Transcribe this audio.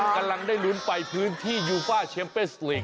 กำลังได้ลุ้นไปพื้นที่ยูฟ่าเชมเปสลีก